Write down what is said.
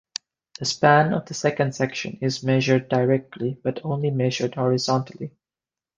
The span of the second section is measured directly, but only measured horizontally.